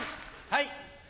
はい。